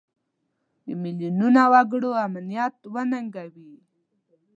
د میلیونونو وګړو امنیت وننګوي.